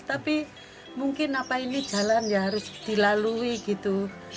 tapi mungkin apa ini jalan ya harus dilalui gitu